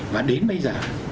và đến bây giờ